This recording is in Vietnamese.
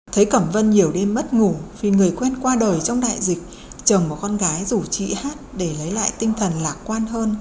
thấy cẩm vân nhiều đêm mất ngủ vì người quen qua đời trong đại dịch chồng của con gái rủ chị hát để lấy lại tinh thần lạc quan hơn